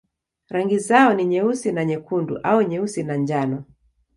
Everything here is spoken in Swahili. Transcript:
Rangi zao ni nyeusi na nyekundu au nyeusi na njano.